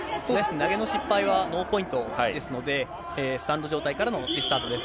投げの失敗はノーポイントですので、スタンドの状態からリスタートです。